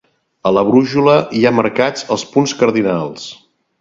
A la brúixola hi ha marcats els punts cardinals: